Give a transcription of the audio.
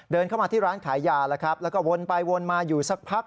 เดินเข้ามาที่ร้านขายยาแล้วก็วนไปวนมาอยู่สักพัก